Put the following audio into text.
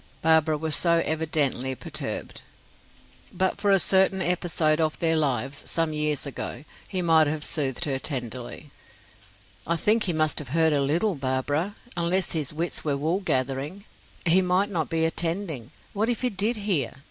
Barbara was so evidently perturbed. But for a certain episode of their lives, some years ago, he might have soothed her tenderly. "I think he must have heard a little, Barbara, unless his wits were wool gathering. He might not be attending. What if he did hear?